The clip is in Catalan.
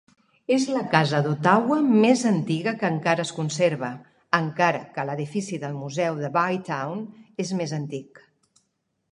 És la casa d'Ottawa més antiga que encara es conserva, encara que l'edifici del Museu de Bytown és més antic.